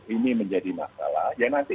ini menjadi masalah ya nanti